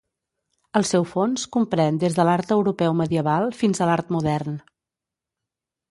El seu fons comprèn des de l'art europeu medieval fins a l'art modern.